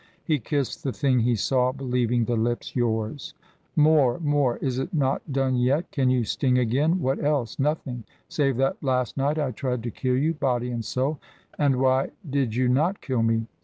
"He kissed the thing he saw, believing the lips yours." "More more is it not done yet? Can you sting again? What else?" "Nothing save that last night I tried to kill you, body and soul." "And why did you not kill me?"